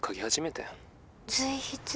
随筆？